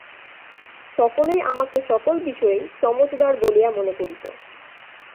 সকলেই আমাকে সকল বিষয়েই সমজদার বলিয়া মনে করিত।